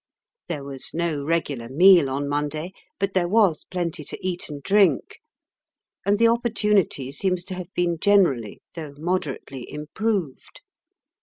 There was no regular meal on Monday, but there was plenty to eat and drink, and the opportunity seems to have been generally, though moderately, improved.